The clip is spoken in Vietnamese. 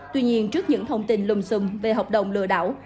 tuy nhiên trước những thông tin lùm xùng về hợp đồng lừa đảo